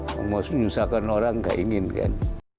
maksudnya menyusahkan orang gak ingin kan